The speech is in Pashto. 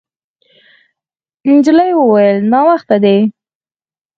نجلۍ وویل: «ناوخته دی.»